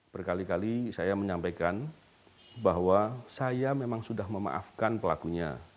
berkali kali saya menyampaikan bahwa saya memang sudah memaafkan pelakunya